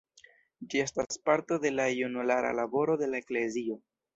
Ĝi estas parto de la junulara laboro de la eklezio.